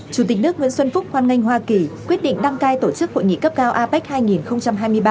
chủ tịch nước nguyễn xuân phúc hoan nghênh hoa kỳ quyết định đăng cai tổ chức hội nghị cấp cao apec hai nghìn hai mươi ba